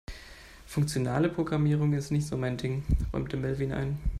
Funktionale Programmierung ist nicht so mein Ding, räumte Melvin ein.